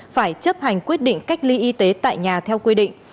phải chấp hành quyết định cách ly y tế tại nhà theo quy định